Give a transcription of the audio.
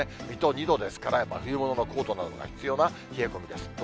水戸は２度ですから、冬物のコートなどが必要な冷え込みです。